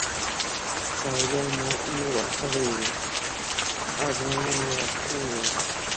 پایډل مې وهلی و، ازموینه مې ورکړې وه.